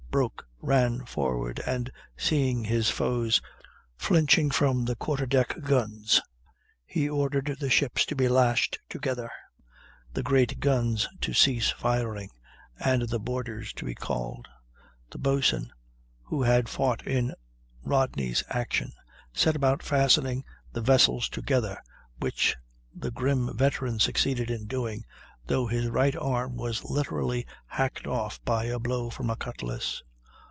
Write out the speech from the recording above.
Broke ran forward, and seeing his foes flinching from the quarter deck guns, he ordered the ships to be lashed together, the great guns to cease firing, and the boarders to be called. The boatswain, who had fought in Rodney's action, set about fastening the vessels together, which the grim veteran succeeded in doing, though his right arm was literally hacked off by a blow from a cutlass.